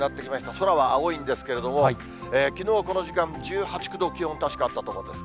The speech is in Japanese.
空は青いんですけれども、きのうこの時間、１８、９度、気温、確かあったと思うんです。